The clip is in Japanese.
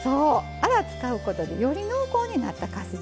アラを使うことでより濃厚になったかす汁。